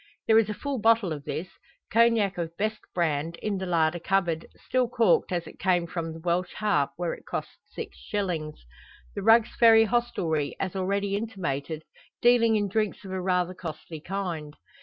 There is a full bottle of this Cognac of best brand in the larder cupboard, still corked as it came from the "Welsh Harp," where it cost six shillings The Rugg's Ferry hostelry, as already intimated, dealing in drinks of a rather costly kind.